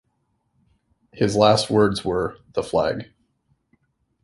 His last words were, The flag!